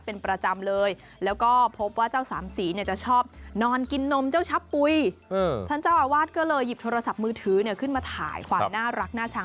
ก็เลยหยิบตัวโรศัพท์มือถือขึ้นมาถ่ายความน่ารักหน้าชาง